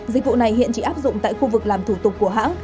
dịch vụ này hiện chỉ áp dụng tại khu vực làm thủ tục của hãng